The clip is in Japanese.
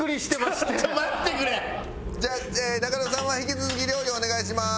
中野さんは引き続き料理をお願いします。